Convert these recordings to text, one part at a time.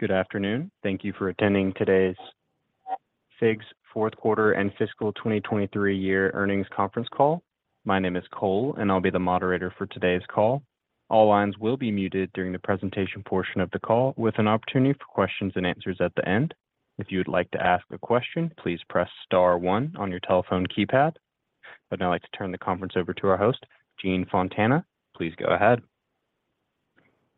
Good afternoon. Thank you for attending today's FIGS' fourth quarter and fiscal 2023 year earnings conference call. My name is Cole, and I'll be the moderator for today's call. All lines will be muted during the presentation portion of the call, with an opportunity for questions and answers at the end. If you would like to ask a question, please press star one on your telephone keypad. I'd now like to turn the conference over to our host, Jean Fontana. Please go ahead.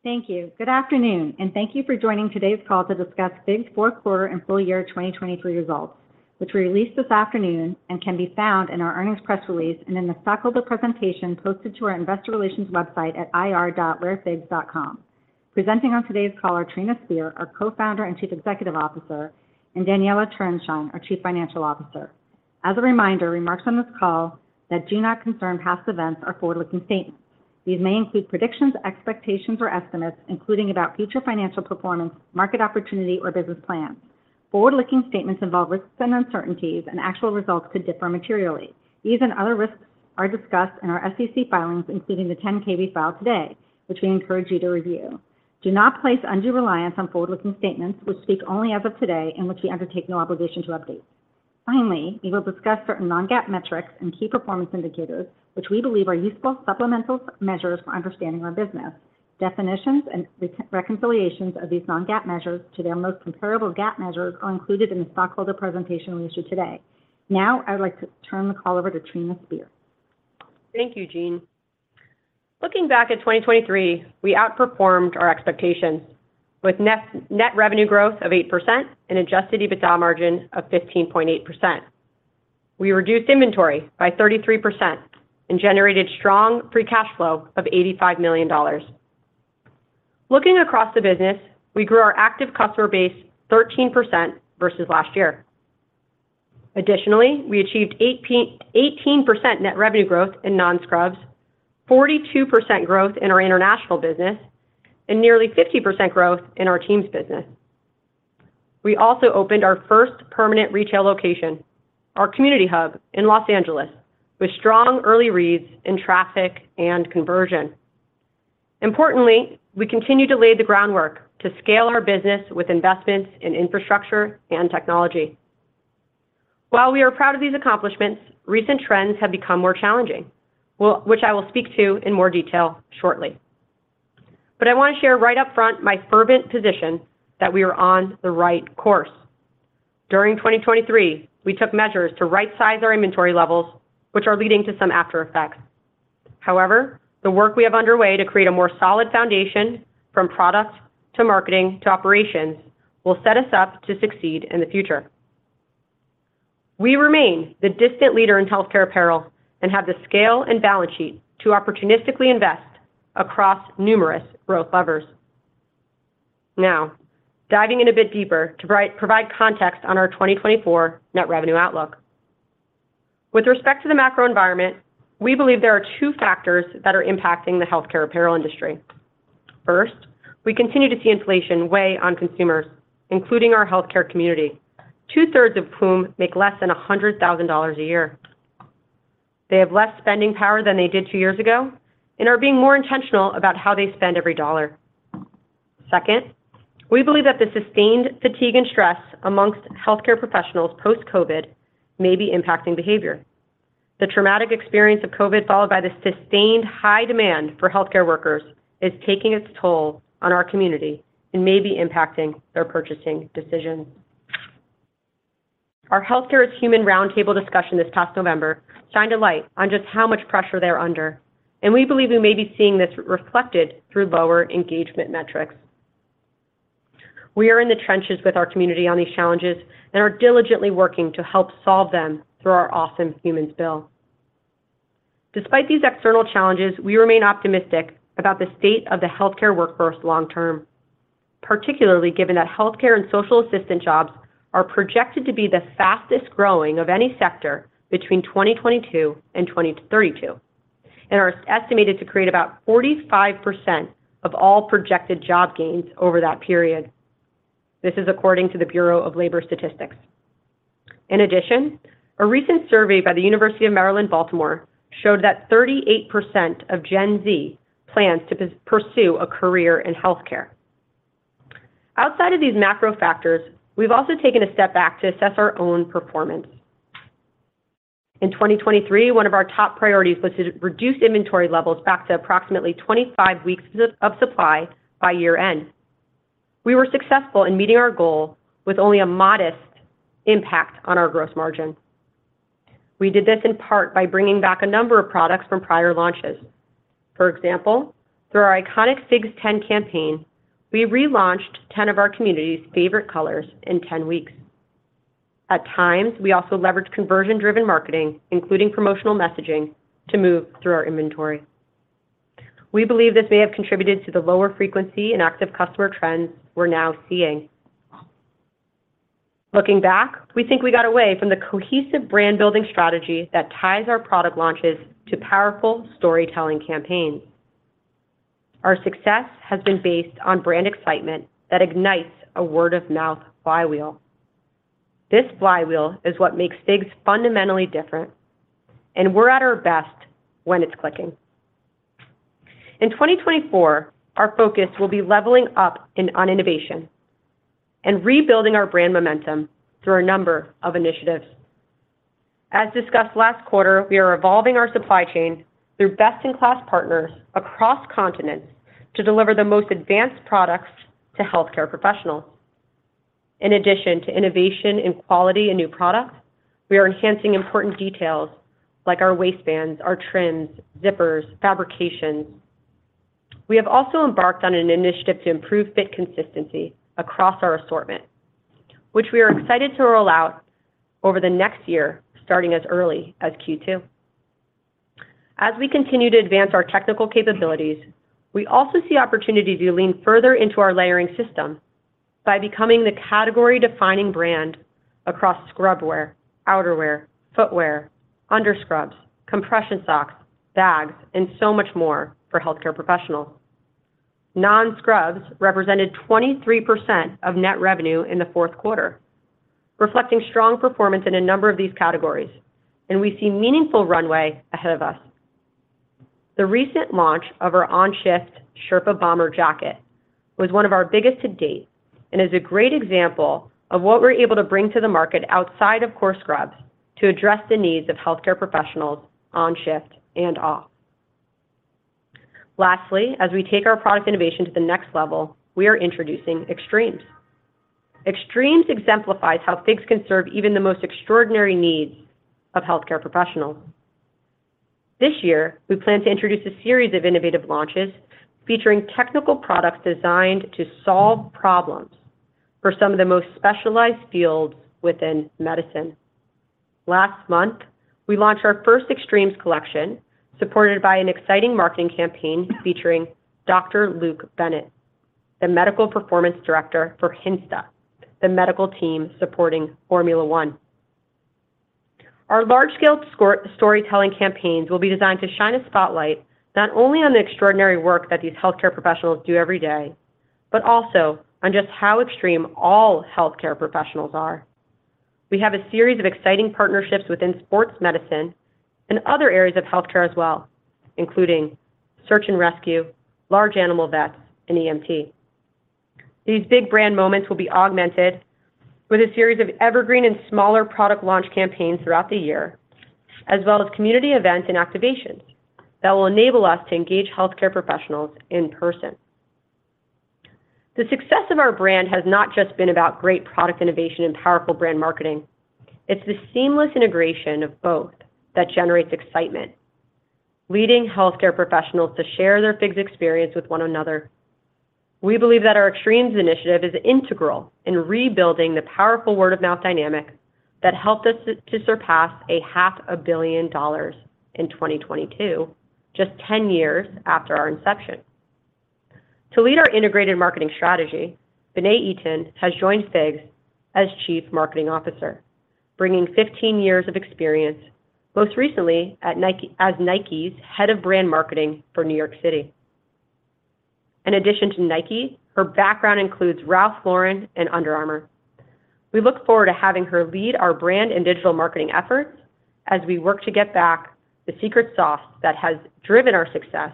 Thank you. Good afternoon, and thank you for joining today's call to discuss FIGS' fourth quarter and full year 2023 results, which we released this afternoon and can be found in our earnings press release and in the stockholder presentation posted to our investor relations website at ir.wearfigs.com. Presenting on today's call are Trina Spear, our Co-founder and Chief Executive Officer, and Daniella Turenshine, our Chief Financial Officer. As a reminder, remarks on this call that do not concern past events are forward-looking statements. These may include predictions, expectations, or estimates, including about future financial performance, market opportunity, or business plans. Forward-looking statements involve risks and uncertainties, and actual results could differ materially. These and other risks are discussed in our SEC filings, including the 10-K filed today, which we encourage you to review. Do not place undue reliance on forward-looking statements, which speak only as of today and which we undertake no obligation to update. Finally, we will discuss certain non-GAAP metrics and key performance indicators, which we believe are useful supplemental measures for understanding our business. Definitions and reconciliations of these non-GAAP measures to their most comparable GAAP measures are included in the stockholder presentation we issued today. Now, I would like to turn the call over to Trina Spear. Thank you, Jean. Looking back at 2023, we outperformed our expectations with net revenue growth of 8% and adjusted EBITDA margin of 15.8%. We reduced inventory by 33% and generated strong free cash flow of $85 million. Looking across the business, we grew our active customer base 13% versus last year. Additionally, we achieved 18% net revenue growth in non-scrubs, 42% growth in our international business, and nearly 50% growth in our TEAMS business. We also opened our first permanent retail location, our Community Hub in Los Angeles, with strong early reads in traffic and conversion. Importantly, we continue to lay the groundwork to scale our business with investments in infrastructure and technology. While we are proud of these accomplishments, recent trends have become more challenging, well, which I will speak to in more detail shortly. But I wanna share right up front my fervent position that we are on the right course. During 2023, we took measures to right-size our inventory levels, which are leading to some after effects. However, the work we have underway to create a more solid foundation from product to marketing to operations will set us up to succeed in the future. We remain the distant leader in healthcare apparel and have the scale and balance sheet to opportunistically invest across numerous growth levers. Now, diving in a bit deeper to provide context on our 2024 net revenue outlook. With respect to the macro environment, we believe there are two factors that are impacting the healthcare apparel industry. First, we continue to see inflation weigh on consumers, including our healthcare community, 2/3 of whom make less than $100,000 a year. They have less spending power than they did two years ago and are being more intentional about how they spend every dollar. Second, we believe that the sustained fatigue and stress amongst healthcare professionals post-COVID may be impacting behavior. The traumatic experience of COVID, followed by the sustained high demand for healthcare workers, is taking its toll on our community and may be impacting their purchasing decisions. Our Healthcare is Human roundtable discussion this past November shined a light on just how much pressure they're under, and we believe we may be seeing this reflected through lower engagement metrics. We are in the trenches with our community on these challenges and are diligently working to help solve them through our Awesome Humans Bill. Despite these external challenges, we remain optimistic about the state of the healthcare workforce long term, particularly given that healthcare and social assistant jobs are projected to be the fastest growing of any sector between 2022 and 2032, and are estimated to create about 45% of all projected job gains over that period. This is according to the Bureau of Labor Statistics. In addition, a recent survey by the University of Maryland, Baltimore, showed that 38% of Gen Z plans to pursue a career in healthcare. Outside of these macro factors, we've also taken a step back to assess our own performance. In 2023, one of our top priorities was to reduce inventory levels back to approximately 25 weeks of supply by year-end. We were successful in meeting our goal with only a modest impact on our gross margin. We did this in part by bringing back a number of products from prior launches. For example, through our iconic FIGS10 campaign, we relaunched 10 of our community's favorite colors in 10 weeks. At times, we also leveraged conversion-driven marketing, including promotional messaging, to move through our inventory. We believe this may have contributed to the lower frequency in active customer trends we're now seeing. Looking back, we think we got away from the cohesive brand building strategy that ties our product launches to powerful storytelling campaigns. Our success has been based on brand excitement that ignites a word-of-mouth flywheel. This flywheel is what makes FIGS fundamentally different, and we're at our best when it's clicking. In 2024, our focus will be leveling up in on innovation and rebuilding our brand momentum through a number of initiatives. As discussed last quarter, we are evolving our supply chain through best-in-class partners across continents to deliver the most advanced products to healthcare professionals. In addition to innovation in quality and new products, we are enhancing important details like our waistbands, our trims, zippers, fabrications. We have also embarked on an initiative to improve fit consistency across our assortment, which we are excited to roll out over the next year, starting as early as Q2. As we continue to advance our technical capabilities, we also see opportunity to lean further into our layering system by becoming the category-defining brand across scrubwear, outerwear, footwear, underscrubs, compression socks, bags, and so much more for healthcare professionals. Non-scrubs represented 23% of net revenue in the fourth quarter, reflecting strong performance in a number of these categories, and we see meaningful runway ahead of us. The recent launch of our On-Shift Sherpa Bomber Jacket was one of our biggest to date and is a great example of what we're able to bring to the market outside of core scrubs to address the needs of healthcare professionals on shift and off. Lastly, as we take our product innovation to the next level, we are introducing Extremes. Extremes exemplifies how FIGS can serve even the most extraordinary needs of healthcare professionals. This year, we plan to introduce a series of innovative launches featuring technical products designed to solve problems for some of the most specialized fields within medicine. Last month, we launched our first Extremes collection, supported by an exciting marketing campaign featuring Dr. Luke Bennett, the Medical Performance Director for Hintsa, the medical team supporting Formula One. Our large-scale storytelling campaigns will be designed to shine a spotlight not only on the extraordinary work that these healthcare professionals do every day, but also on just how extreme all healthcare professionals are. We have a series of exciting partnerships within sports medicine and other areas of healthcare as well, including search and rescue, large animal vets, and EMT. These big brand moments will be augmented with a series of evergreen and smaller product launch campaigns throughout the year, as well as community events and activations that will enable us to engage healthcare professionals in person. The success of our brand has not just been about great product innovation and powerful brand marketing. It's the seamless integration of both that generates excitement, leading healthcare professionals to share their FIGS experience with one another. We believe that our Extremes initiative is integral in rebuilding the powerful word-of-mouth dynamic that helped us to surpass $500 million in 2022, just 10 years after our inception. To lead our integrated marketing strategy, Bené Eaton has joined FIGS as Chief Marketing Officer, bringing 15 years of experience, most recently at Nike—as Nike's Head of Brand Marketing for New York City. In addition to Nike, her background includes Ralph Lauren and Under Armour. We look forward to having her lead our brand and digital marketing efforts as we work to get back the secret sauce that has driven our success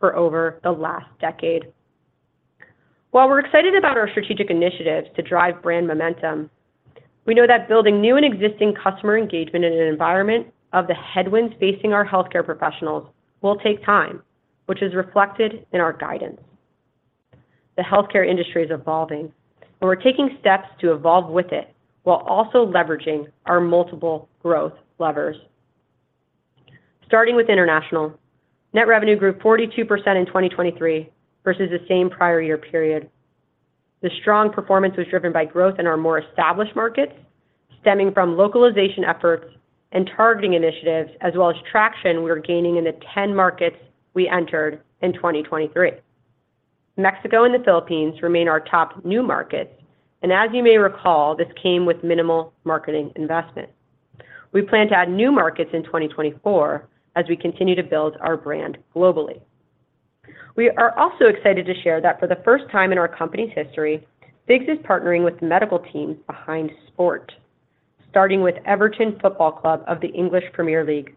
for over the last decade. While we're excited about our strategic initiatives to drive brand momentum, we know that building new and existing customer engagement in an environment of the headwinds facing our healthcare professionals will take time, which is reflected in our guidance. The healthcare industry is evolving, and we're taking steps to evolve with it while also leveraging our multiple growth levers. Starting with international, net revenue grew 42% in 2023 versus the same prior year period. The strong performance was driven by growth in our more established markets, stemming from localization efforts and targeting initiatives, as well as traction we are gaining in the 10 markets we entered in 2023. Mexico and the Philippines remain our top new markets, and as you may recall, this came with minimal marketing investment. We plan to add new markets in 2024 as we continue to build our brand globally. We are also excited to share that for the first time in our company's history, FIGS is partnering with the medical team behind sport, starting with Everton Football Club of the English Premier League,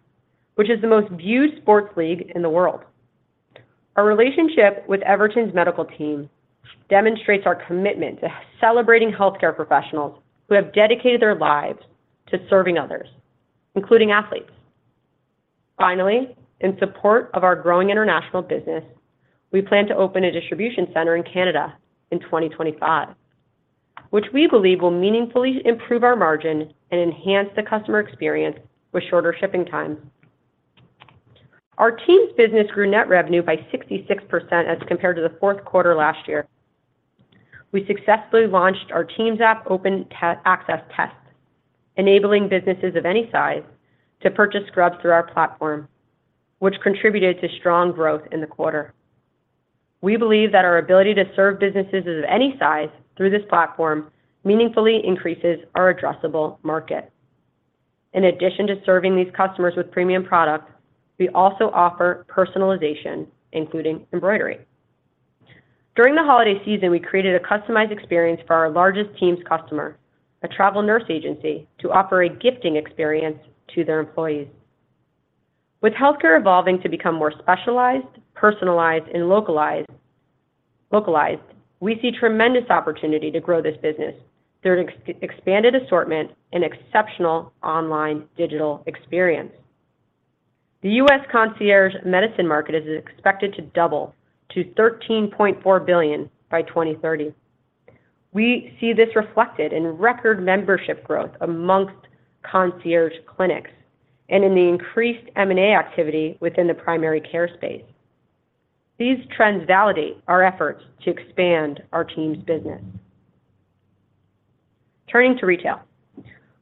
which is the most viewed sports league in the world. Our relationship with Everton's medical team demonstrates our commitment to celebrating healthcare professionals who have dedicated their lives to serving others, including athletes. Finally, in support of our growing international business, we plan to open a distribution center in Canada in 2025, which we believe will meaningfully improve our margin and enhance the customer experience with shorter shipping times. Our TEAMS business grew net revenue by 66% as compared to the fourth quarter last year. We successfully launched our TEAMS app open access test, enabling businesses of any size to purchase scrubs through our platform, which contributed to strong growth in the quarter. We believe that our ability to serve businesses of any size through this platform meaningfully increases our addressable market. In addition to serving these customers with premium products, we also offer personalization, including embroidery. During the holiday season, we created a customized experience for our largest TEAMS customer, a travel nurse agency, to offer a gifting experience to their employees. With healthcare evolving to become more specialized, personalized, and localized, localized, we see tremendous opportunity to grow this business through an expanded assortment and exceptional online digital experience. The U.S. concierge medicine market is expected to double to $13.4 billion by 2030. We see this reflected in record membership growth amongst concierge clinics and in the increased M&A activity within the primary care space. These trends validate our efforts to expand our TEAMS business. Turning to retail,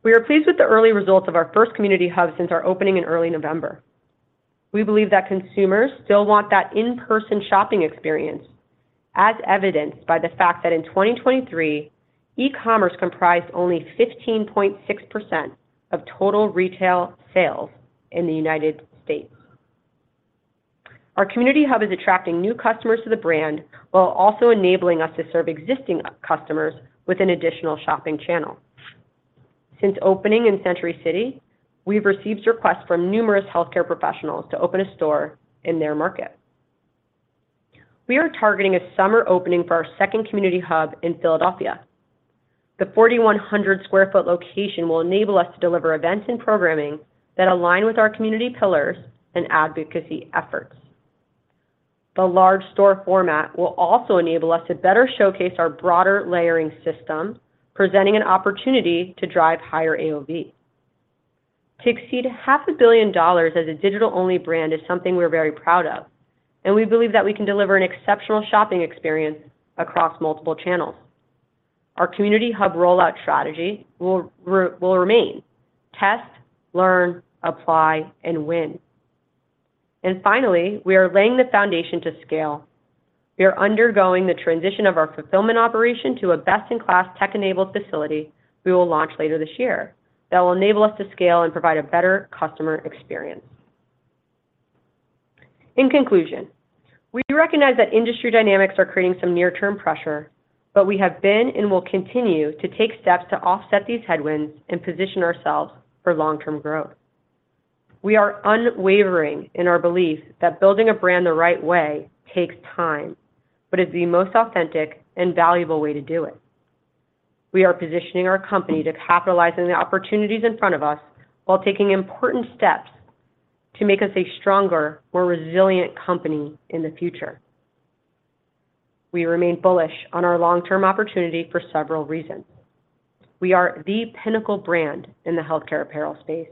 we are pleased with the early results of our first Community Hub since our opening in early November. We believe that consumers still want that in-person shopping experience, as evidenced by the fact that in 2023, e-commerce comprised only 15.6% of total retail sales in the United States. Our Community Hub is attracting new customers to the brand, while also enabling us to serve existing customers with an additional shopping channel. Since opening in Century City, we've received requests from numerous healthcare professionals to open a store in their market. We are targeting a summer opening for our second Community Hub in Philadelphia. The 4,100 sq ft location will enable us to deliver events and programming that align with our community pillars and advocacy efforts. The large store format will also enable us to better showcase our broader layering system, presenting an opportunity to drive higher AOV. To exceed $500 million as a digital-only brand is something we're very proud of, and we believe that we can deliver an exceptional shopping experience across multiple channels. Our Community Hub rollout strategy will remain: test, learn, apply, and win. And finally, we are laying the foundation to scale. We are undergoing the transition of our fulfillment operation to a best-in-class tech-enabled facility we will launch later this year that will enable us to scale and provide a better customer experience. In conclusion, we recognize that industry dynamics are creating some near-term pressure, but we have been and will continue to take steps to offset these headwinds and position ourselves for long-term growth. We are unwavering in our belief that building a brand the right way takes time, but it's the most authentic and valuable way to do it. We are positioning our company to capitalize on the opportunities in front of us while taking important steps to make us a stronger, more resilient company in the future. We remain bullish on our long-term opportunity for several reasons. We are the pinnacle brand in the healthcare apparel space.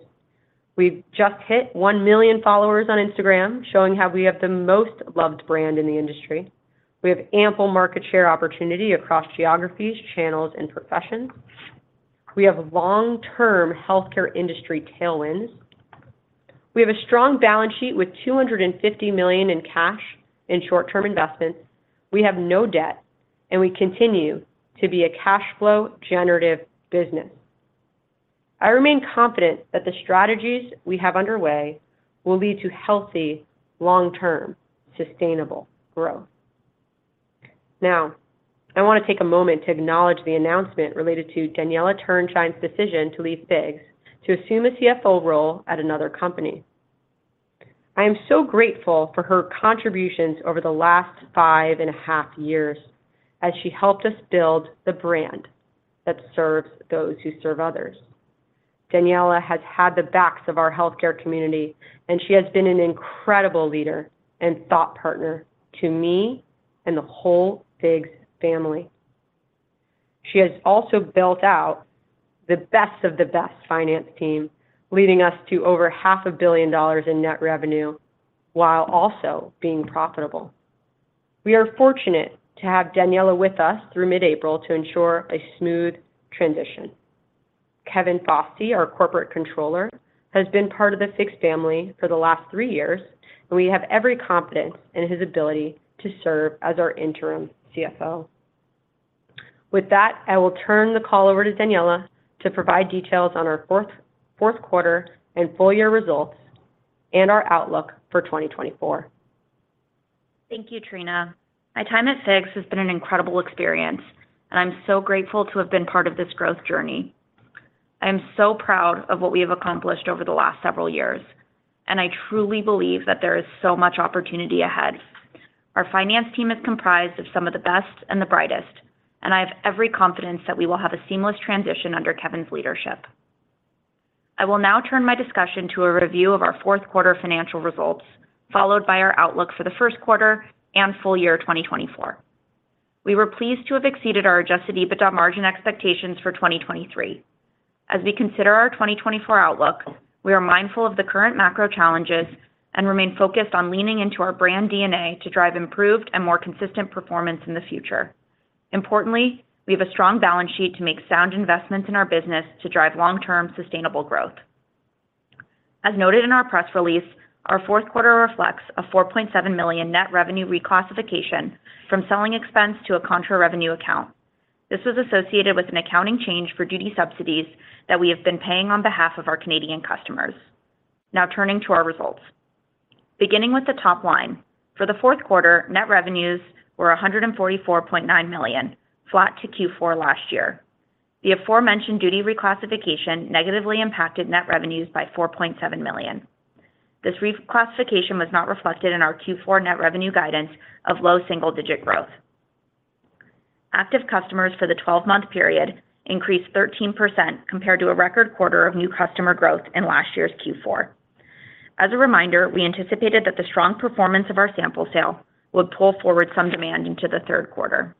We've just hit 1 million followers on Instagram, showing how we have the most loved brand in the industry. We have ample market share opportunity across geographies, channels, and professions. We have long-term healthcare industry tailwinds. We have a strong balance sheet with $250 million in cash and short-term investments. We have no debt, and we continue to be a cash flow generative business. I remain confident that the strategies we have underway will lead to healthy, long-term, sustainable growth. Now, I want to take a moment to acknowledge the announcement related to Daniella Turenshine's decision to leave FIGS to assume a CFO role at another company. I am so grateful for her contributions over the last five and a half years as she helped us build the brand that serves those who serve others. Daniella has had the backs of our healthcare community, and she has been an incredible leader and thought partner to me and the whole FIGS family. She has also built out the best of the best finance team, leading us to over $500 million in net revenue while also being profitable. We are fortunate to have Daniella with us through mid-April to ensure a smooth transition. Kevin Fosty, our Corporate Controller, has been part of the FIGS family for the last three years, and we have every confidence in his ability to serve as our Interim CFO. With that, I will turn the call over to Daniella to provide details on our fourth quarter and full-year results and our outlook for 2024. Thank you, Trina. My time at FIGS has been an incredible experience, and I'm so grateful to have been part of this growth journey. I am so proud of what we have accomplished over the last several years, and I truly believe that there is so much opportunity ahead. Our finance team is comprised of some of the best and the brightest, and I have every confidence that we will have a seamless transition under Kevin's leadership. I will now turn my discussion to a review of our fourth quarter financial results, followed by our outlook for the first quarter and full year 2024. We were pleased to have exceeded our adjusted EBITDA margin expectations for 2023. As we consider our 2024 outlook, we are mindful of the current macro challenges and remain focused on leaning into our brand DNA to drive improved and more consistent performance in the future. Importantly, we have a strong balance sheet to make sound investments in our business to drive long-term sustainable growth. As noted in our press release, our fourth quarter reflects a $4.7 million net revenue reclassification from selling expense to a contra revenue account. This was associated with an accounting change for duty subsidies that we have been paying on behalf of our Canadian customers. Now turning to our results. Beginning with the top line, for the fourth quarter, net revenues were $144.9 million, flat to Q4 last year. The aforementioned duty reclassification negatively impacted net revenues by $4.7 million. This reclassification was not reflected in our Q4 net revenue guidance of low single-digit growth. Active customers for the twelve-month period increased 13% compared to a record quarter of new customer growth in last year's Q4. As a reminder, we anticipated that the strong performance of our sample sale would pull forward some demand into the third quarter.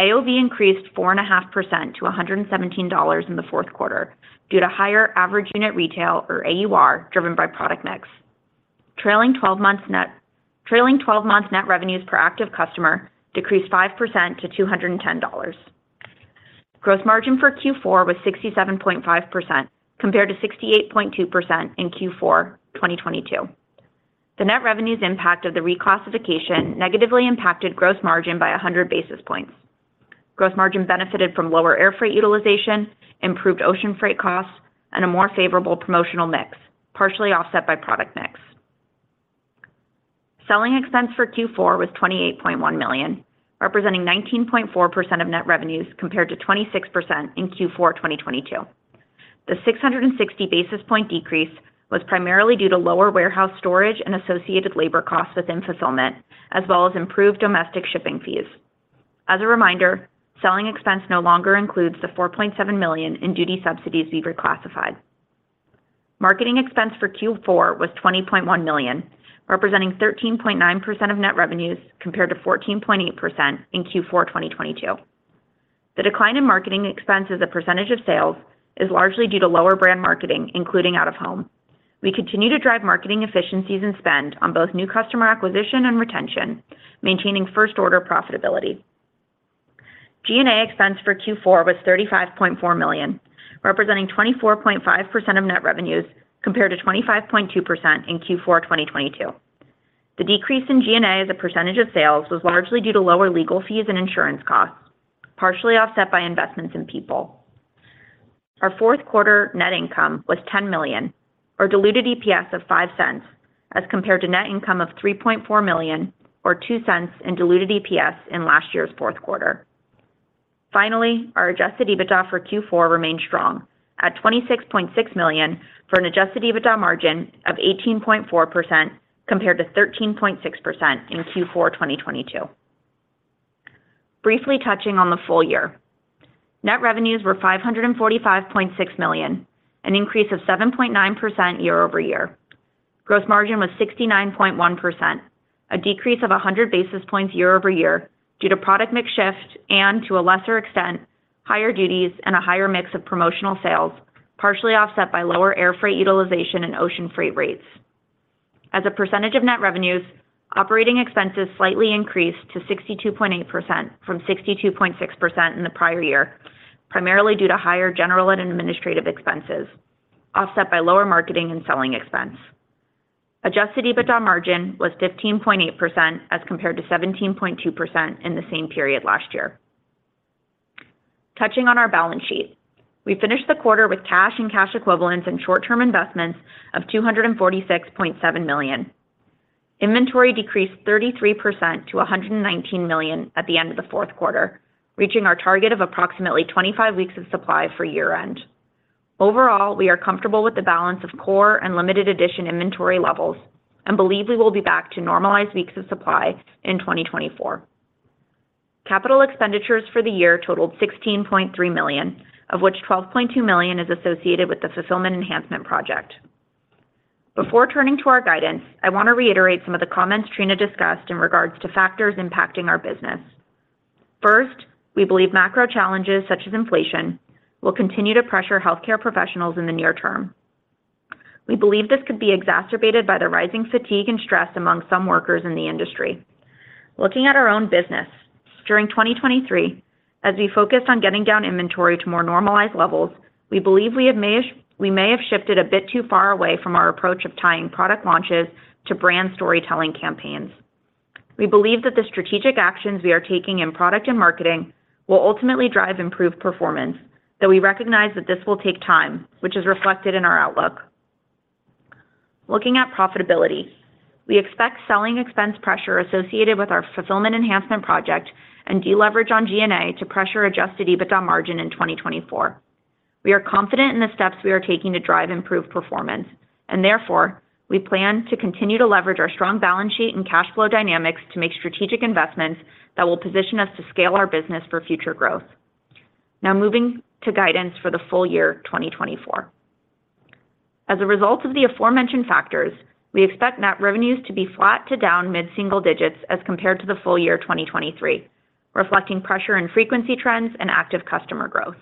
AOV increased 4.5% to $117 in the fourth quarter due to higher average unit retail, or AUR, driven by product mix. Trailing twelve months net revenues per active customer decreased 5% to $210. Gross margin for Q4 was 67.5%, compared to 68.2% in Q4 2022. The net revenues impact of the reclassification negatively impacted gross margin by 100 basis points. Gross margin benefited from lower air freight utilization, improved ocean freight costs, and a more favorable promotional mix, partially offset by product mix. Selling expense for Q4 was $28.1 million, representing 19.4% of net revenues, compared to 26% in Q4 2022. The 660 basis point-decrease was primarily due to lower warehouse storage and associated labor costs within fulfillment, as well as improved domestic shipping fees. As a reminder, selling expense no longer includes the $4.7 million in duty subsidies we've reclassified. Marketing expense for Q4 was $20.1 million, representing 13.9% of net revenues, compared to 14.8% in Q4 2022. The decline in marketing expense as a percentage of sales is largely due to lower brand marketing, including out-of-home. We continue to drive marketing efficiencies and spend on both new customer acquisition and retention, maintaining first-order profitability. G&A expense for Q4 was $35.4 million, representing 24.5% of net revenues, compared to 25.2% in Q4 2022. The decrease in G&A as a percentage of sales was largely due to lower legal fees and insurance costs, partially offset by investments in people. Our fourth quarter net income was $10 million, or diluted EPS of $0.05, as compared to net income of $3.4 million, or $0.02 in diluted EPS in last year's fourth quarter. Finally, our adjusted EBITDA for Q4 remained strong at $26.6 million, for an adjusted EBITDA margin of 18.4%, compared to 13.6% in Q4 2022. Briefly touching on the full year. Net revenues were $545.6 million, an increase of 7.9% year-over-year. Gross margin was 69.1%, a decrease of 100 basis points year-over-year due to product mix shift and, to a lesser extent, higher duties and a higher mix of promotional sales, partially offset by lower air freight utilization and ocean freight rates. As a percentage of net revenues, operating expenses slightly increased to 62.8% from 62.6% in the prior year, primarily due to higher general and administrative expenses, offset by lower marketing and selling expense. Adjusted EBITDA margin was 15.8%, as compared to 17.2% in the same period last year. Touching on our balance sheet, we finished the quarter with cash and cash equivalents and short-term investments of $246.7 million. Inventory decreased 33% to $119 million at the end of the fourth quarter, reaching our target of approximately 25 weeks of supply for year-end. Overall, we are comfortable with the balance of core and limited edition inventory levels and believe we will be back to normalized weeks of supply in 2024. CapEx for the year totaled $16.3 million, of which $12.2 million is associated with the fulfillment enhancement project. Before turning to our guidance, I want to reiterate some of the comments Trina discussed in regards to factors impacting our business. First, we believe macro challenges, such as inflation, will continue to pressure healthcare professionals in the near term. We believe this could be exacerbated by the rising fatigue and stress among some workers in the industry. Looking at our own business, during 2023, as we focused on getting down inventory to more normalized levels, we believe we may have shifted a bit too far away from our approach of tying product launches to brand storytelling campaigns. We believe that the strategic actions we are taking in product and marketing will ultimately drive improved performance, though we recognize that this will take time, which is reflected in our outlook. Looking at profitability, we expect selling expense pressure associated with our fulfillment enhancement project and deleverage on G&A to pressure-adjusted EBITDA margin in 2024. We are confident in the steps we are taking to drive improved performance, and therefore, we plan to continue to leverage our strong balance sheet and cash flow dynamics to make strategic investments that will position us to scale our business for future growth. Now moving to guidance for the full year 2024. As a result of the aforementioned factors, we expect net revenues to be flat to down mid-single digits as compared to the full year 2023, reflecting pressure and frequency trends and active customer growth.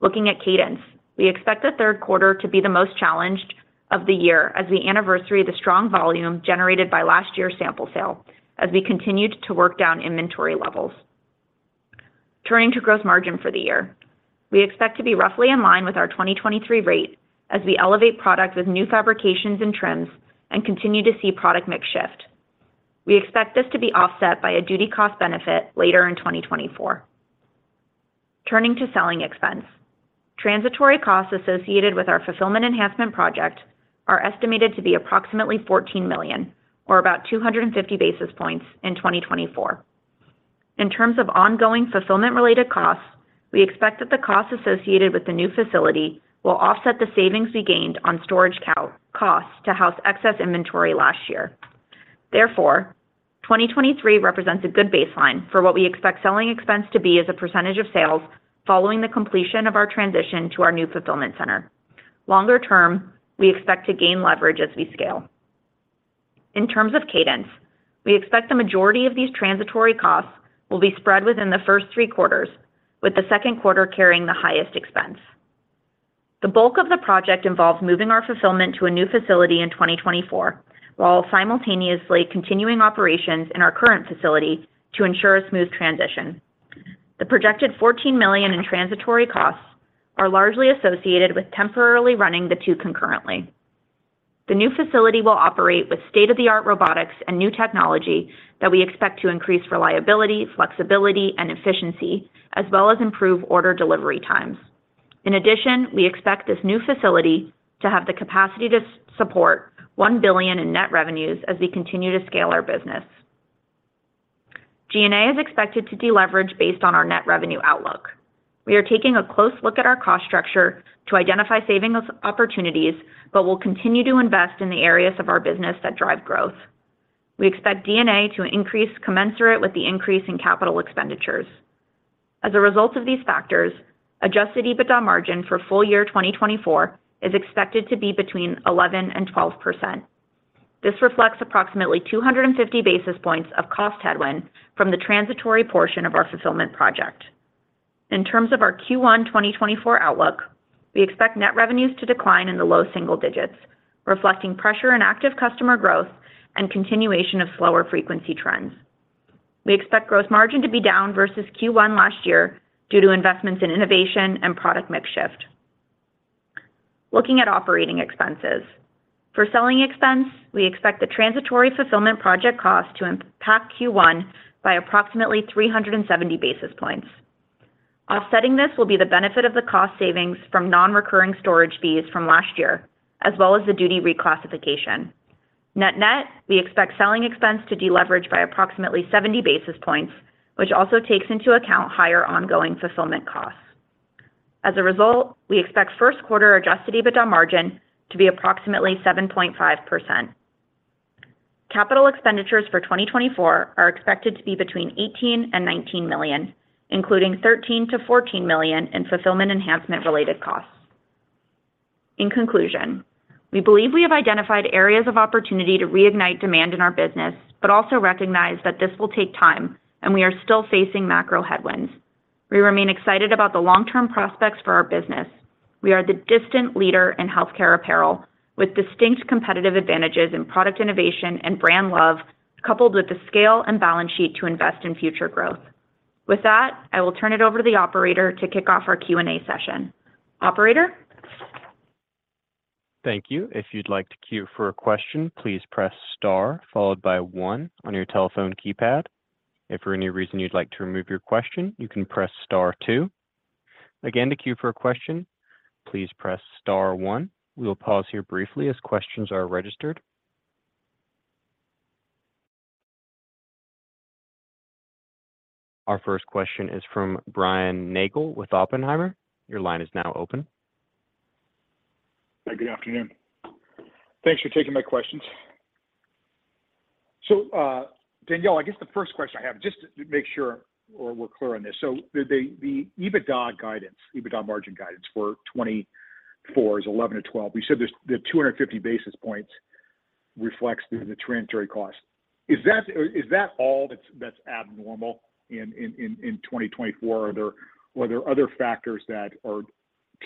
Looking at cadence, we expect the third quarter to be the most challenged of the year as we anniversary the strong volume generated by last year's sample sale as we continued to work down inventory levels. Turning to gross margin for the year, we expect to be roughly in line with our 2023 rate as we elevate products with new fabrications and trends and continue to see product mix shift. We expect this to be offset by a duty cost benefit later in 2024. Turning to selling expense. Transitory costs associated with our fulfillment enhancement project are estimated to be approximately $14 million or about 250 basis points in 2024. In terms of ongoing fulfillment-related costs, we expect that the costs associated with the new facility will offset the savings we gained on storage count costs to house excess inventory last year. Therefore, 2023 represents a good baseline for what we expect selling expense to be as a percentage of sales following the completion of our transition to our new fulfillment center. Longer term, we expect to gain leverage as we scale. In terms of cadence, we expect the majority of these transitory costs will be spread within the first three quarters, with the second quarter carrying the highest expense. The bulk of the project involves moving our fulfillment to a new facility in 2024, while simultaneously continuing operations in our current facility to ensure a smooth transition. The projected $14 million in transitory costs are largely associated with temporarily running the two concurrently. The new facility will operate with state-of-the-art robotics and new technology that we expect to increase reliability, flexibility, and efficiency, as well as improve order delivery times. In addition, we expect this new facility to have the capacity to support $1 billion in net revenues as we continue to scale our business. G&A is expected to deleverage based on our net revenue outlook. We are taking a close look at our cost structure to identify savings opportunities, but will continue to invest in the areas of our business that drive growth. We expect G&A to increase commensurate with the increase in CapEx. As a result of these factors, adjusted EBITDA margin for full year 2024 is expected to be between 11% and 12%. This reflects approximately 250 basis points of cost headwind from the transitory portion of our fulfillment project. In terms of our Q1 2024 outlook, we expect net revenues to decline in the low single digits, reflecting pressure and active customer growth and continuation of slower frequency trends. We expect gross margin to be down versus Q1 last year due to investments in innovation and product mix shift. Looking at operating expenses. For selling expense, we expect the transitory fulfillment project cost to impact Q1 by approximately 370 basis points. Offsetting this will be the benefit of the cost savings from non-recurring storage fees from last year, as well as the duty reclassification. Net-net, we expect selling expense to deleverage by approximately 70 basis points, which also takes into account higher ongoing fulfillment costs. As a result, we expect first-quarter adjusted EBITDA margin to be approximately 7.5%. CapEx for 2024 are expected to be between $18 million and $19 million, including $13 million-$14 million in fulfillment enhancement-related costs. In conclusion, we believe we have identified areas of opportunity to reignite demand in our business, but also recognize that this will take time and we are still facing macro headwinds. We remain excited about the long-term prospects for our business. We are the distinct leader in healthcare apparel, with distinct competitive advantages in product innovation and brand love, coupled with the scale and balance sheet to invest in future growth. With that, I will turn it over to the operator to kick off our Q&A session. Operator? Thank you. If you'd like to queue for a question, please press star, followed by one on your telephone keypad. If for any reason you'd like to remove your question, you can press star two. Again, to queue for a question, please press star one. We will pause here briefly as questions are registered. Our first question is from Brian Nagel with Oppenheimer. Your line is now open. Hi, good afternoon. Thanks for taking my questions. So, Daniella, I guess the first question I have, just to make sure that we're clear on this. So the EBITDA guidance, EBITDA margin guidance for 2024 is 11%-12%. You said there's—the 250 basis points reflects the transitory cost. Is that all that's abnormal in 2024, or are there other factors that are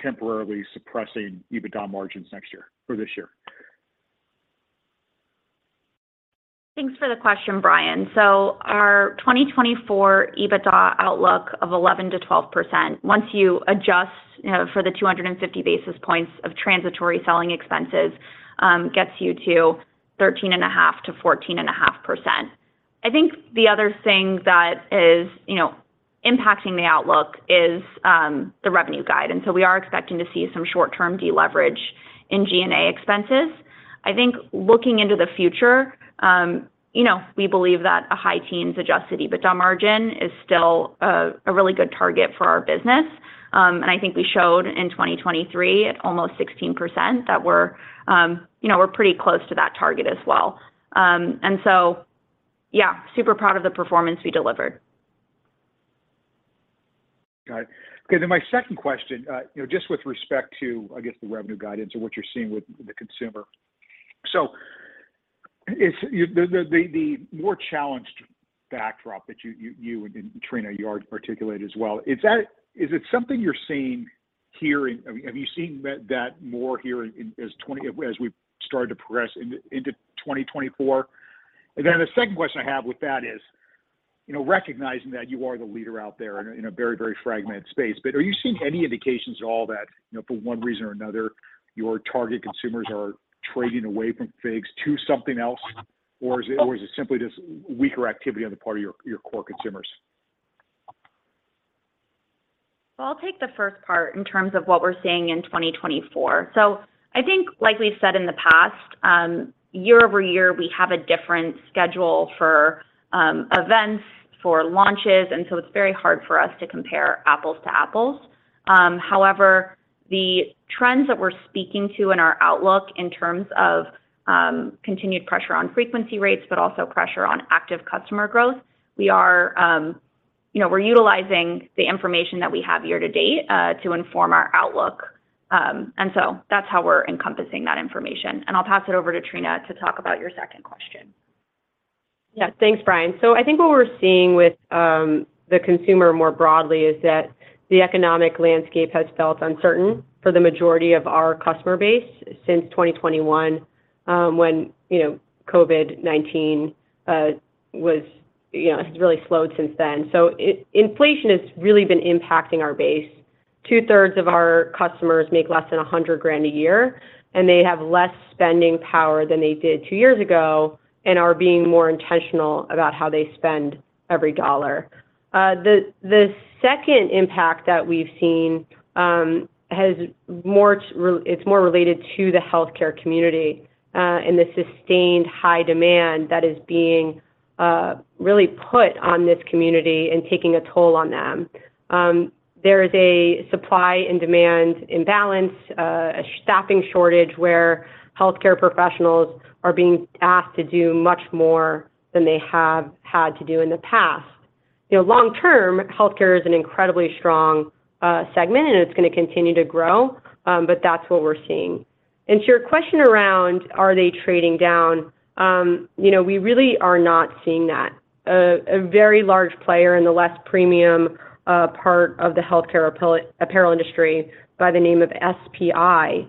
temporarily suppressing EBITDA margins next year or this year? Thanks for the question, Brian. So our 2024 EBITDA outlook of 11%-12%, once you adjust, you know, for the 250 basis points of transitory selling expenses, gets you to 13.5%-14.5%. I think the other thing that is, you know, impacting the outlook is the revenue guidance. So we are expecting to see some short-term deleverage in G&A expenses. I think looking into the future, you know, we believe that a high teens adjusted EBITDA margin is still a really good target for our business. And I think we showed in 2023, at almost 16%, that we're, you know, we're pretty close to that target as well. And so, yeah, super proud of the performance we delivered. Got it. Okay, then my second question, you know, just with respect to, I guess, the revenue guidance or what you're seeing with the consumer. So if the more challenged backdrop that you and Trina articulate as well, is that- is it something you're seeing here in—have you seen that more here in, as we started to progress into 2024? And then the second question I have with that is, you know, recognizing that you are the leader out there in a very fragmented space, but are you seeing any indications at all that, you know, for one reason or another, your target consumers are trading away from FIGS to something else? Or is it simply just weaker activity on the part of your core consumers? Well, I'll take the first part in terms of what we're seeing in 2024. So I think, like we've said in the past, year-over-year, we have a different schedule for events, for launches, and so it's very hard for us to compare apples to apples. However, the trends that we're speaking to in our outlook in terms of continued pressure on frequency rates, but also pressure on active customer growth, we are, you know, we're utilizing the information that we have year to date to inform our outlook. And so that's how we're encompassing that information. And I'll pass it over to Trina to talk about your second question. Yeah. Thanks, Brian. So I think what we're seeing with the consumer more broadly is that the economic landscape has felt uncertain for the majority of our customer base since 2021, when, you know, COVID-19 was, you know, has really slowed since then. So inflation has really been impacting our base. Two-thirds of our customers make less than $100,000 a year, and they have less spending power than they did two years ago and are being more intentional about how they spend every dollar. The second impact that we've seen has more. It's more related to the healthcare community, and the sustained high demand that is being really put on this community and taking a toll on them. There is a supply and demand imbalance, a staffing shortage, where healthcare professionals are being asked to do much more than they have had to do in the past. You know, long term, healthcare is an incredibly strong segment, and it's going to continue to grow, but that's what we're seeing. To your question around, are they trading down, you know, we really are not seeing that. A very large player in the less premium part of the healthcare apparel industry by the name of SPI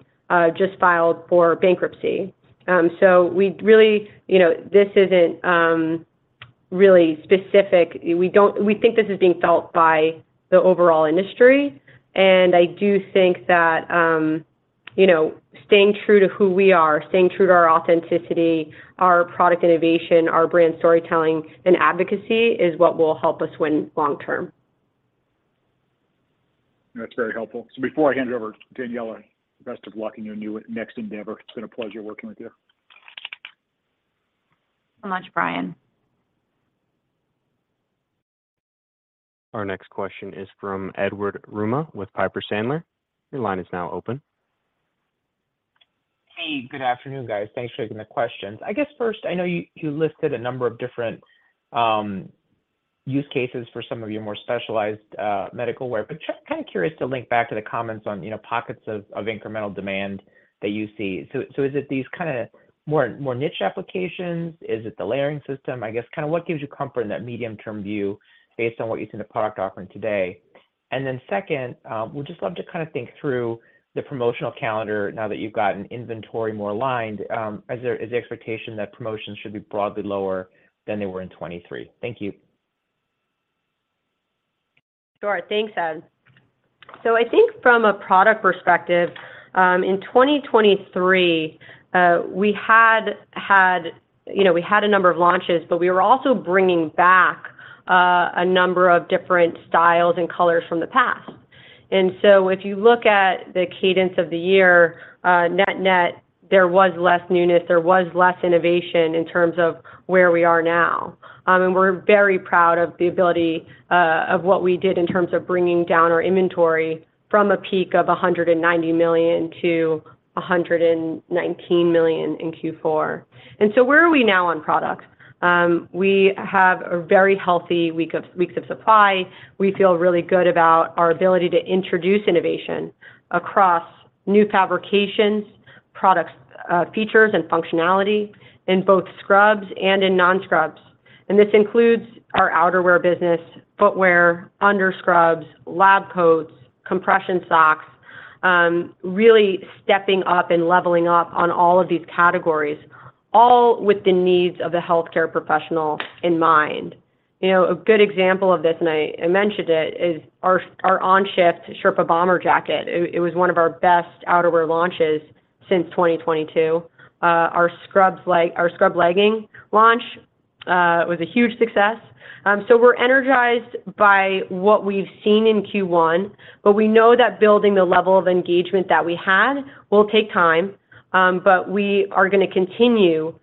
just filed for bankruptcy. So we really—you know, this isn't really specific. We don't. We think this is being felt by the overall industry, and I do think that, you know, staying true to who we are, staying true to our authenticity, our product innovation, our brand storytelling and advocacy is what will help us win long term. That's very helpful. So before I hand it over to Daniella, best of luck in your new next endeavor. It's been a pleasure working with you. Thanks so much, Brian. Our next question is from Edward Yruma with Piper Sandler. Your line is now open. Hey, good afternoon, guys. Thanks for taking the questions. I guess first, I know you listed a number of different use cases for some of your more specialized medical wear, but kind of curious to link back to the comments on, you know, pockets of incremental demand that you see. So is it these kind of more niche applications? Is it the layering system? I guess kind of what gives you comfort in that medium-term view based on what you see in the product offering today. And then second, would just love to kind of think through the promotional calendar now that you've gotten inventory more aligned, is the expectation that promotions should be broadly lower than they were in 2023? Thank you. Sure. Thanks, Ed. So I think from a product perspective, in 2023, we had, had—you know, we had a number of launches, but we were also bringing back a number of different styles and colors from the past. And so if you look at the cadence of the year, net-net, there was less newness, there was less innovation in terms of where we are now. And we're very proud of the ability of what we did in terms of bringing down our inventory from a peak of $190 million to $119 million in Q4. And so where are we now on products? We have a very healthy weeks of supply. We feel really good about our ability to introduce innovation across new fabrications, products, features, and functionality in both scrubs and in non-scrubs. This includes our outerwear business, footwear, underscrubs, lab coats, compression socks, really stepping up and leveling up on all of these categories, all with the needs of the healthcare professional in mind. You know, a good example of this, and I mentioned it, is our On-Shift Sherpa Bomber Jacket. It was one of our best outerwear launches since 2022. Our ScrubLegging launch was a huge success. So we're energized by what we've seen in Q1, but we know that building the level of engagement that we had will take time, but we are going to continue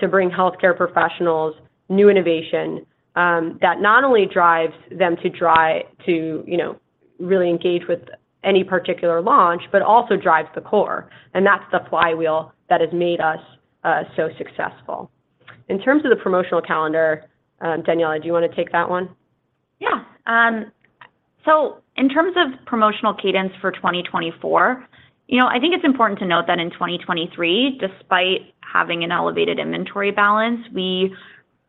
to bring healthcare professionals new innovation that not only drives them to try to, you know, really engage with any particular launch, but also drives the core. And that's the flywheel that has made us so successful. In terms of the promotional calendar, Daniella, do you want to take that one? Yeah. So in terms of promotional cadence for 2024, you know, I think it's important to note that in 2023, despite having an elevated inventory balance, we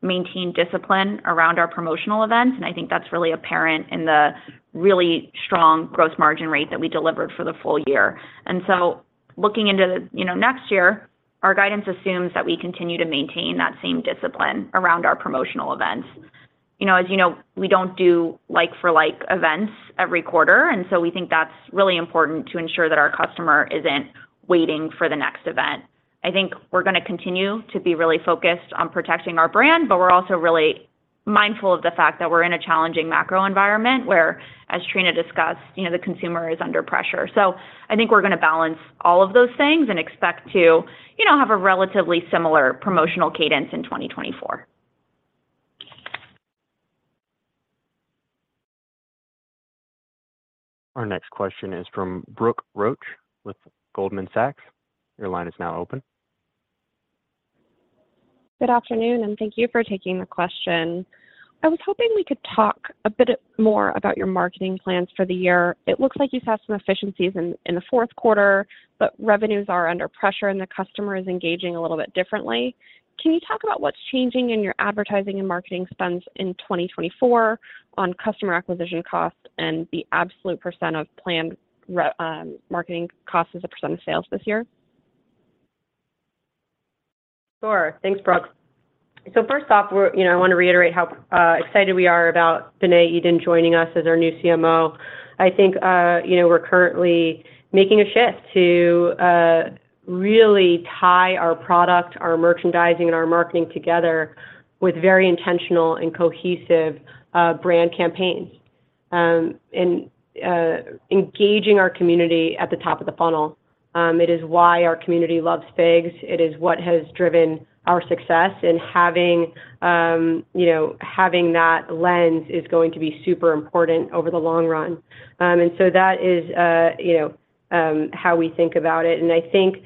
maintained discipline around our promotional events, and I think that's really apparent in the really strong gross margin rate that we delivered for the full year. And so looking into the, you know, next year, our guidance assumes that we continue to maintain that same discipline around our promotional events. You know, as you know, we don't do like-for-like events every quarter, and so we think that's really important to ensure that our customer isn't waiting for the next event. I think we're going to continue to be really focused on protecting our brand, but we're also really mindful of the fact that we're in a challenging macro environment where, as Trina discussed, you know, the consumer is under pressure. I think we're going to balance all of those things and expect to, you know, have a relatively similar promotional cadence in 2024. Our next question is from Brooke Roach with Goldman Sachs. Your line is now open. Good afternoon, and thank you for taking the question. I was hoping we could talk a bit more about your marketing plans for the year. It looks like you've had some efficiencies in the fourth quarter, but revenues are under pressure and the customer is engaging a little bit differently. Can you talk about what's changing in your advertising and marketing spends in 2024 on customer acquisition costs and the absolute percent of planned marketing costs as a percent of sales this year? Sure. Thanks, Brooke. So first off, we're, you know, I want to reiterate how excited we are about Bené Eaton joining us as our new CMO. I think, you know, we're currently making a shift to really tie our product, our merchandising, and our marketing together with very intentional and cohesive brand campaigns, and engaging our community at the top of the funnel. It is why our community loves FIGS. It is what has driven our success, and having, you know, having that lens is going to be super important over the long run. And so that is, you know, how we think about it. And I think,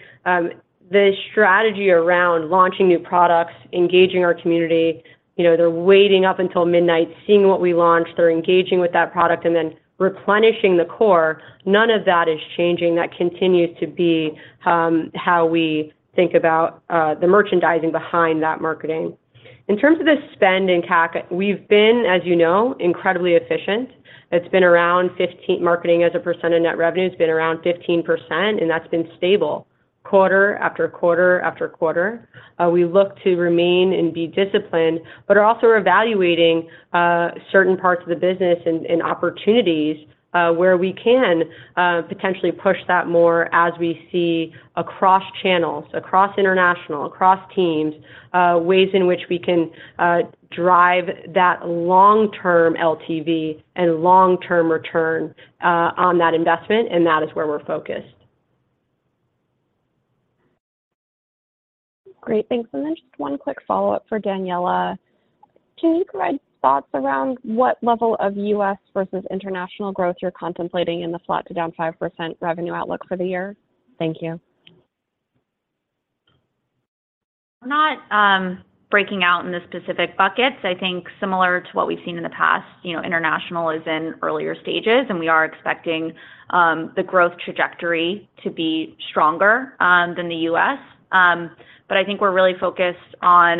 the strategy around launching new products, engaging our community, you know, they're waiting up until midnight, seeing what we launched, they're engaging with that product, and then replenishing the core, none of that is changing. That continues to be, how we think about, the merchandising behind that marketing. In terms of the spend and CAC, we've been, as you know, incredibly efficient. It's been around 15%. Marketing as a percent of net revenue has been around 15%, and that's been stable quarter-after-quarter-after-quarter. We look to remain and be disciplined, but are also evaluating certain parts of the business and opportunities where we can potentially push that more as we see across channels, across international, across TEAMS, ways in which we can drive that long-term LTV and long-term return on that investment, and that is where we're focused. Great, thanks. And then just one quick follow-up for Daniella. Can you provide thoughts around what level of U.S. versus international growth you're contemplating in the flat to down 5% revenue outlook for the year? Thank you. Not breaking out in the specific buckets. I think similar to what we've seen in the past, you know, international is in earlier stages, and we are expecting the growth trajectory to be stronger than the U.S. But I think we're really focused on,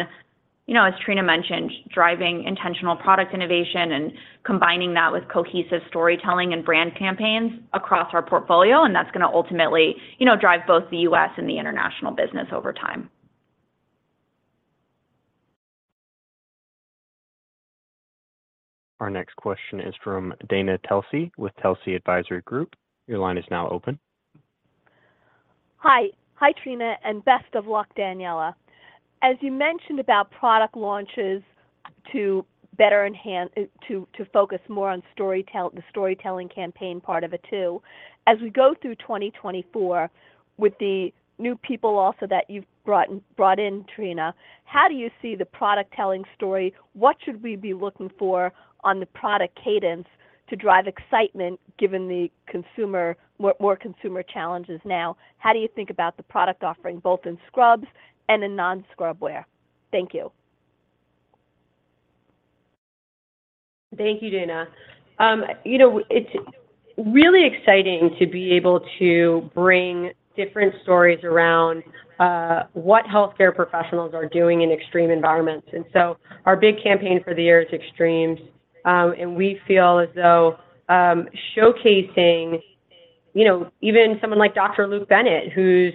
you know, as Trina mentioned, driving intentional product innovation and combining that with cohesive storytelling and brand campaigns across our portfolio, and that's going to ultimately, you know, drive both the U.S. and the international business over time. Our next question is from Dana Telsey with Telsey Advisory Group. Your line is now open. Hi. Hi, Trina, and best of luck, Daniella. As you mentioned about product launches to better enhance to focus more on the storytelling campaign part of it, too, as we go through 2024 with the new people also that you've brought in, Trina, how do you see the product telling story? What should we be looking for on the product cadence to drive excitement, given more consumer challenges now? How do you think about the product offering, both in scrubs and in non-scrubwear? Thank you. Thank you, Dana. You know, it's really exciting to be able to bring different stories around, what healthcare professionals are doing in extreme environments. And so our big campaign for the year is Extremes, and we feel as though, showcasing, you know, even someone like Dr. Luke Bennett, who's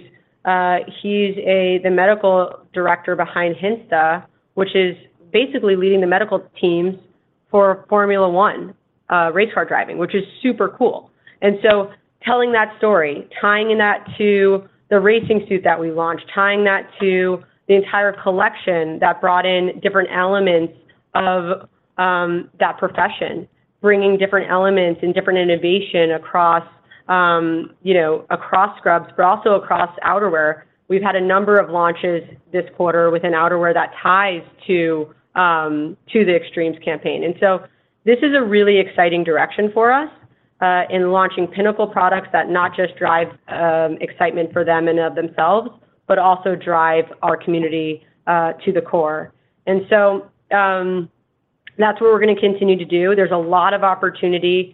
the Medical Director behind Hintsa, which is basically leading the medical teams for Formula One, race car driving, which is super cool. And so telling that story, tying that to the racing suit that we launched, tying that to the entire collection that brought in different elements of, that profession, bringing different elements and different innovation across, you know, across scrubs, but also across outerwear. We've had a number of launches this quarter with an outerwear that ties to, to the Extremes campaign. And so this is a really exciting direction for us, in launching pinnacle products that not just drive excitement in and of themselves, but also drive our community to the core. And so, that's what we're going to continue to do. There's a lot of opportunity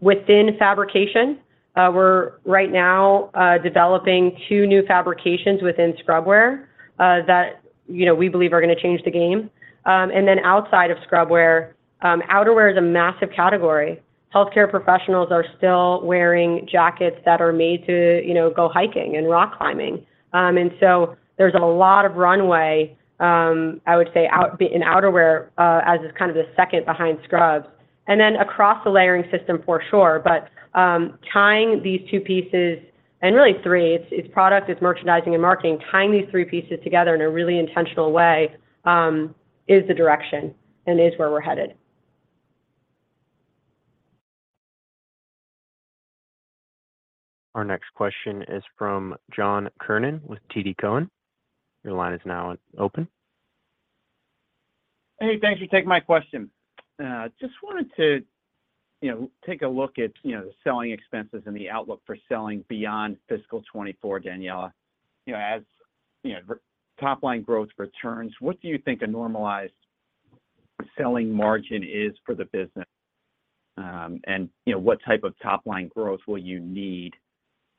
within fabrication. We're right now developing two new fabrications within scrubwear, that, you know, we believe are going to change the game. And then outside of scrubwear, outerwear is a massive category. Healthcare professionals are still wearing jackets that are made to, you know, go hiking and rock climbing. And so there's a lot of runway, I would say, in outerwear, as is kind of the second behind scrubs, and then across the layering system for sure. But, tying these two pieces, and really three, it's, it's product, it's merchandising and marketing, tying these three pieces together in a really intentional way, is the direction and is where we're headed. Our next question is from John Kernan with TD Cowen. Your line is now open. Hey, thanks for taking my question. Just wanted to, you know, take a look at, you know, the selling expenses and the outlook for selling beyond fiscal 2024, Daniella. You know, as, you know, top-line growth returns, what do you think a normalized selling margin is for the business? And you know, what type of top-line growth will you need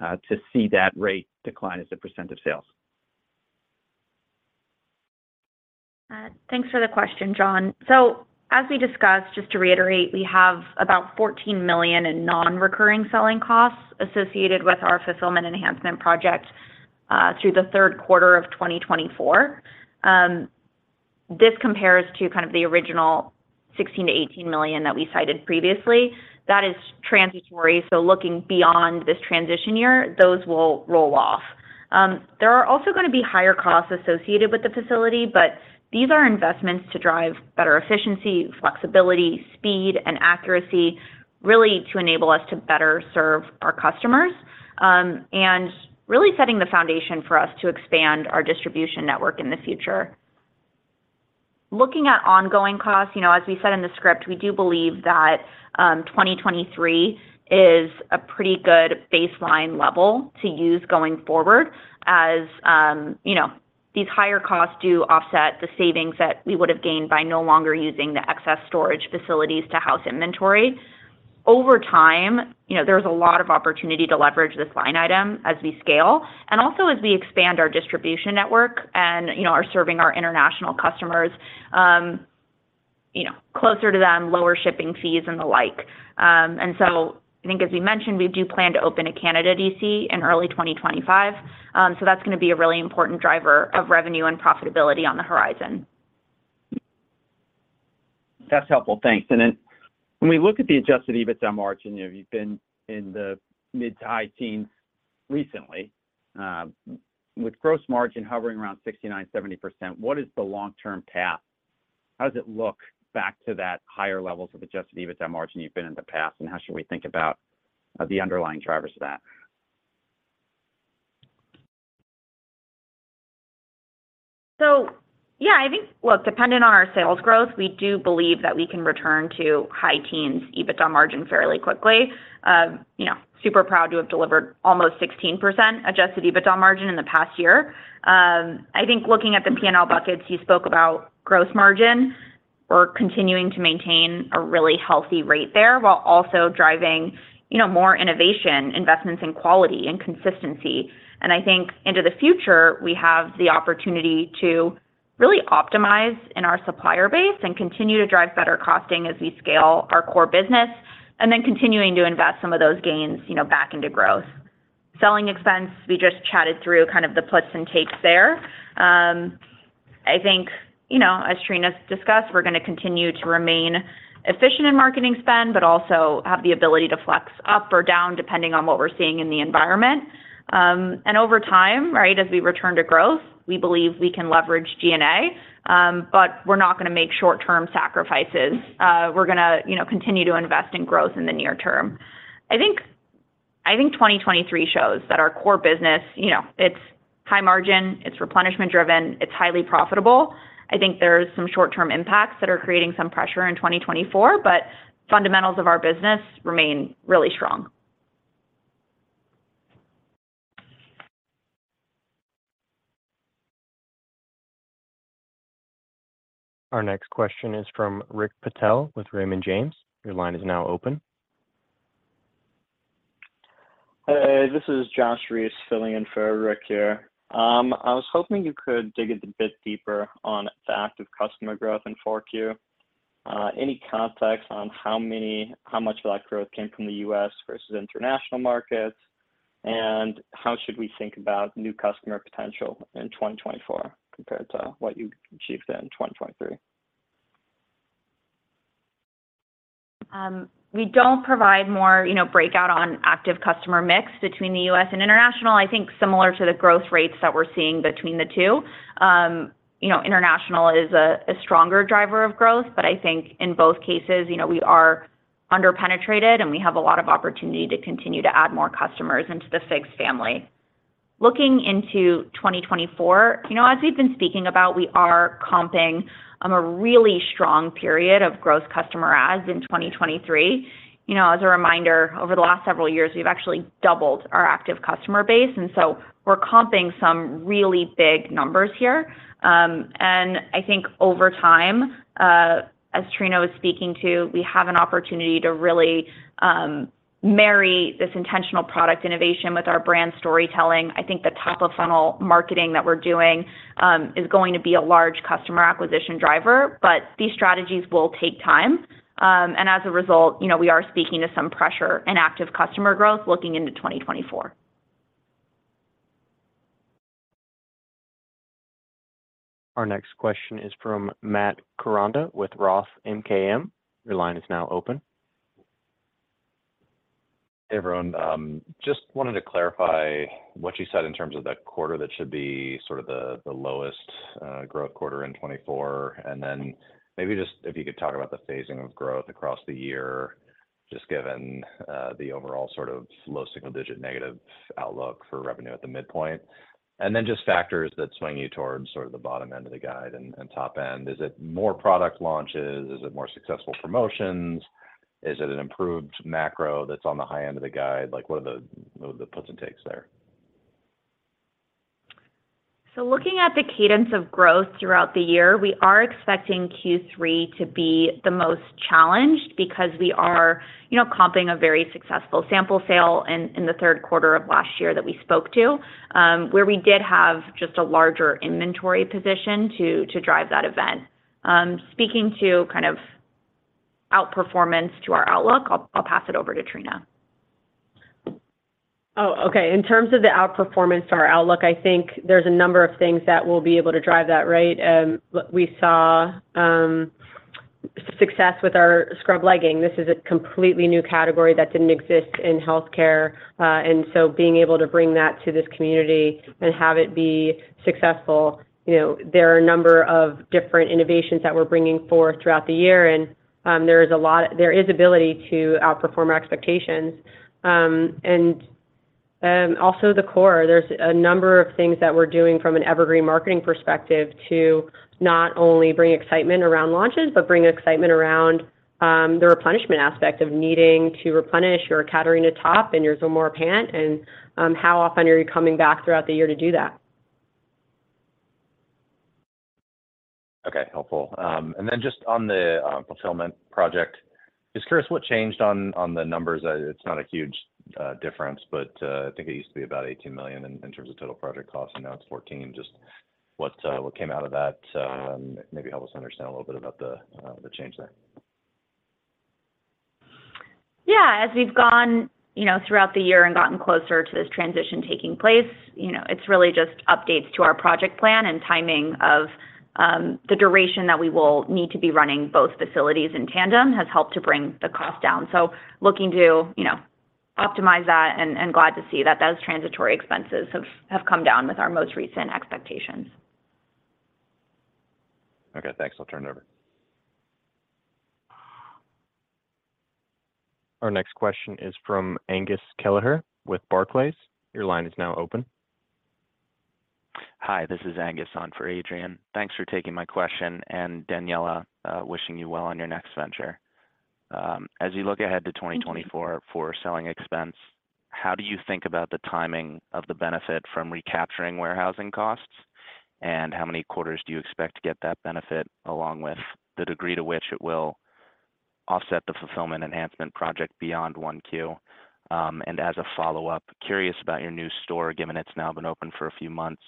to see that rate decline as a percent of sales? Thanks for the question, John. So as we discussed, just to reiterate, we have about $14 million in non-recurring selling costs associated with our fulfillment enhancement project through the third quarter of 2024. This compares to kind of the original $16 million-$18 million that we cited previously. That is transitory, so looking beyond this transition year, those will roll off. There are also gonna be higher costs associated with the facility, but these are investments to drive better efficiency, flexibility, speed, and accuracy, really, to enable us to better serve our customers, and really setting the foundation for us to expand our distribution network in the future. Looking at ongoing costs, you know, as we said in the script, we do believe that, 2023 is a pretty good baseline level to use going forward as, you know, these higher costs do offset the savings that we would have gained by no longer using the excess storage facilities to house inventory. Over time, you know, there's a lot of opportunity to leverage this line item as we scale, and also as we expand our distribution network and, you know, are serving our international customers, you know, closer to them, lower shipping fees and the like. And so I think as we mentioned, we do plan to open a Canada DC in early 2025. So that's gonna be a really important driver of revenue and profitability on the horizon. That's helpful. Thanks. And then when we look at the adjusted EBITDA margin, you've been in the mid- to high-teens recently, with gross margin hovering around 69%-70%, what is the long-term path? How does it look back to that higher levels of adjusted EBITDA margin you've been in the past, and how should we think about the underlying drivers of that? Yeah, I think, well, dependent on our sales growth, we do believe that we can return to high teens EBITDA margin fairly quickly. You know, super proud to have delivered almost 16% adjusted EBITDA margin in the past year. I think looking at the P&L buckets, you spoke about gross margin. We're continuing to maintain a really healthy rate there, while also driving, you know, more innovation, investments in quality and consistency. And I think into the future, we have the opportunity to really optimize in our supplier base and continue to drive better costing as we scale our core business, and then continuing to invest some of those gains, you know, back into growth. Selling expense, we just chatted through kind of the puts and takes there. I think, you know, as Trina's discussed, we're gonna continue to remain efficient in marketing spend, but also have the ability to flex up or down, depending on what we're seeing in the environment. And over time, right, as we return to growth, we believe we can leverage G&A, but we're not gonna make short-term sacrifices. We're gonna, you know, continue to invest in growth in the near term. I think 2023 shows that our core business, you know, it's high margin, it's replenishment driven, it's highly profitable. I think there's some short-term impacts that are creating some pressure in 2024, but fundamentals of our business remain really strong. Our next question is from Rick Patel with Raymond James. Your line is now open. Hey, this is Josh Reiss, filling in for Rick here. I was hoping you could dig a bit deeper on the active customer growth in Q4. Any context on how much of that growth came from the U.S. versus international markets, and how should we think about new customer potential in 2024 compared to what you achieved in 2023? We don't provide more, you know, breakout on active customer mix between the U.S. and international. I think similar to the growth rates that we're seeing between the two, you know, international is a stronger driver of growth, but I think in both cases, you know, we are under-penetrated, and we have a lot of opportunity to continue to add more customers into the FIGS family. Looking into 2024, you know, as we've been speaking about, we are comping a really strong period of growth customer adds in 2023. You know, as a reminder, over the last several years, we've actually doubled our active customer base, and so we're comping some really big numbers here. And I think over time, as Trina was speaking to, we have an opportunity to really marry this intentional product innovation with our brand storytelling. I think the top-of-funnel marketing that we're doing is going to be a large customer acquisition driver, but these strategies will take time. And as a result, you know, we are speaking to some pressure and active customer growth looking into 2024. Our next question is from Matt Koranda with ROTH MKM. Your line is now open. Hey, everyone. Just wanted to clarify what you said in terms of the quarter that should be sort of the lowest growth quarter in 2024, and then maybe just if you could talk about the phasing of growth across the year, just given the overall sort of low single-digit negative outlook for revenue at the midpoint. And then just factors that swing you towards sort of the bottom end of the guide and top end. Is it more product launches? Is it more successful promotions? Is it an improved macro that's on the high end of the guide? Like, what are the puts and takes there? So looking at the cadence of growth throughout the year, we are expecting Q3 to be the most challenged because we are, you know, comping a very successful sample sale in the third quarter of last year that we spoke to, where we did have just a larger inventory position to drive that event. Speaking to kind of outperformance to our outlook, I'll pass it over to Trina. Oh, okay. In terms of the outperformance to our outlook, I think there's a number of things that will be able to drive that rate. We saw success with our ScrubLegging. This is a completely new category that didn't exist in healthcare. And so being able to bring that to this community and have it be successful, you know, there are a number of different innovations that we're bringing forth throughout the year, and there is a lot—there is ability to outperform our expectations. And also the core, there's a number of things that we're doing from an evergreen marketing perspective to not only bring excitement around launches, but bring excitement around the replenishment aspect of needing to replenish your Catarina top and your Zamora pant, and how often are you coming back throughout the year to do that? Okay, helpful. And then just on the fulfillment project, just curious what changed on the numbers. It's not a huge difference, but I think it used to be about $18 million in terms of total project costs, and now it's $14 million. Just what came out of that? Maybe help us understand a little bit about the change there. Yeah. As we've gone, you know, throughout the year and gotten closer to this transition taking place, you know, it's really just updates to our project plan and timing of the duration that we will need to be running both facilities in tandem has helped to bring the cost down. So looking to, you know, optimize that and glad to see that those transitory expenses have come down with our most recent expectations. Okay, thanks. I'll turn it over. Our next question is from Angus Kelleher with Barclays. Your line is now open. Hi, this is Angus on for Adrienne. Thanks for taking my question, and Daniella, wishing you well on your next venture. As you look ahead to 2024 for selling expense, how do you think about the timing of the benefit from recapturing warehousing costs? And how many quarters do you expect to get that benefit, along with the degree to which it will offset the fulfillment enhancement project beyond 1Q? And as a follow-up, curious about your new store, given it's now been open for a few months.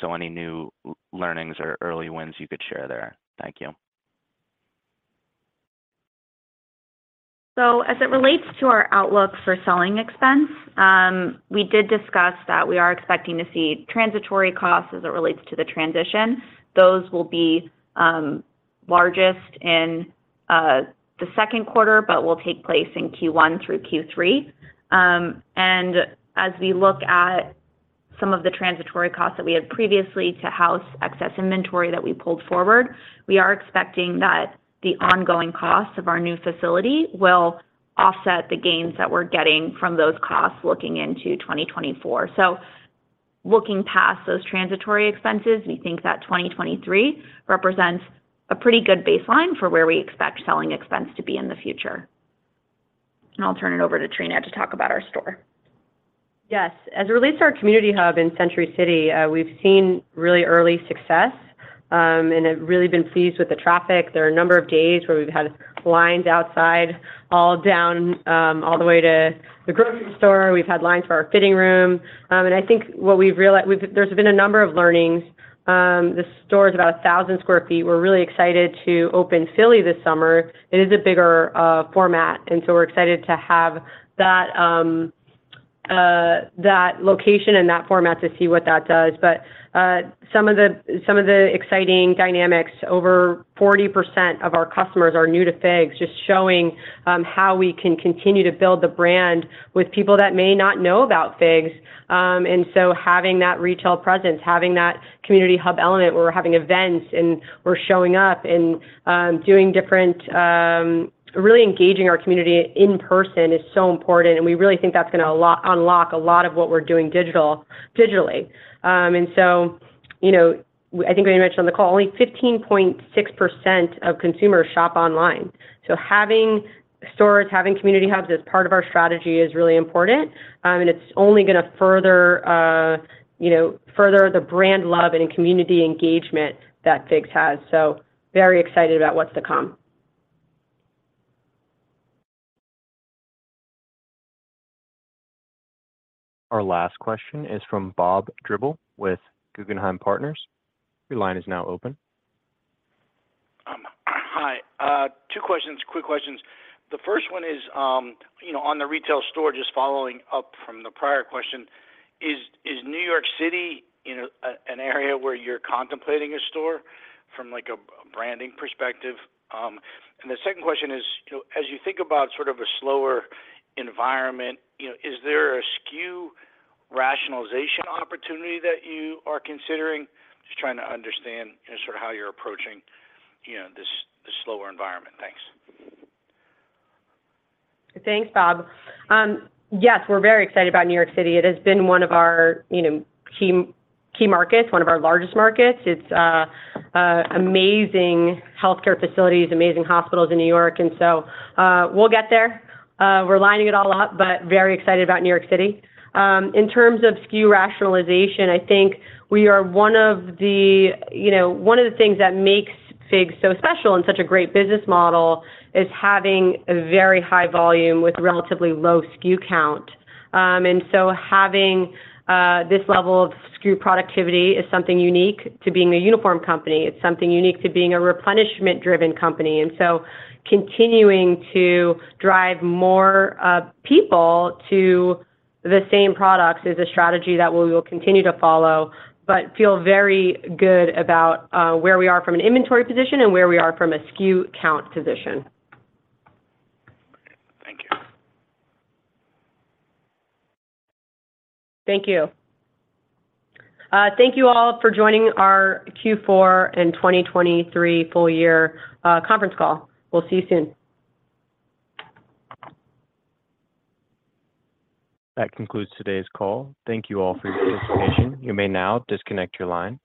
So any new learnings or early wins you could share there? Thank you. So as it relates to our outlook for selling expense, we did discuss that we are expecting to see transitory costs as it relates to the transition. Those will be largest in the second quarter, but will take place in Q1 through Q3. And as we look at some of the transitory costs that we had previously to house excess inventory that we pulled forward, we are expecting that the ongoing costs of our new facility will offset the gains that we're getting from those costs looking into 2024. So looking past those transitory expenses, we think that 2023 represents a pretty good baseline for where we expect selling expense to be in the future. And I'll turn it over to Trina to talk about our store. Yes. As it relates to our Community Hub in Century City, we've seen really early success, and have really been pleased with the traffic. There are a number of days where we've had lines outside, all down, all the way to the grocery store. We've had lines for our fitting room. And I think what we've realized... We've- there's been a number of learnings. The store is about 1,000 sq ft. We're really excited to open Philly this summer. It is a bigger format, and so we're excited to have that location and that format to see what that does. But, some of the exciting dynamics, over 40% of our customers are new to FIGS, just showing how we can continue to build the brand with people that may not know about FIGS. And so having that retail presence, having that Community Hub element, where we're having events and we're showing up and really engaging our community in person is so important, and we really think that's gonna unlock a lot of what we're doing digital, digitally. And so, you know, I think we mentioned on the call, only 15.6% of consumers shop online. So having stores, having Community Hubs as part of our strategy is really important. And it's only going to further, you know, further the brand love and community engagement that FIGS has. So very excited about what's to come. Our last question is from Bob Drbul with Guggenheim Partners. Your line is now open. Hi. Two questions, quick questions. The first one is, you know, on the retail store, just following up from the prior question, is New York City, you know, an area where you're contemplating a store from, like, a branding perspective? And the second question is, you know, as you think about sort of a slower environment, you know, is there a SKU rationalization opportunity that you are considering? Just trying to understand, you know, sort of how you're approaching, you know, this, the slower environment. Thanks. Thanks, Bob. Yes, we're very excited about New York City. It has been one of our, you know, key, key markets, one of our largest markets. It's amazing healthcare facilities, amazing hospitals in New York, and so we'll get there. We're lining it all up, but very excited about New York City. In terms of SKU rationalization, I think we are one of the—you know, one of the things that makes FIGS so special and such a great business model is having a very high volume with relatively low SKU count. And so having this level of SKU productivity is something unique to being a uniform company. It's something unique to being a replenishment-driven company, and so continuing to drive more people to the same products is a strategy that we will continue to follow, but feel very good about where we are from an inventory position and where we are from a SKU count position. Thank you. Thank you. Thank you all for joining our Q4 and 2023 full year, conference call. We'll see you soon. That concludes today's call. Thank you all for your participation. You may now disconnect your line.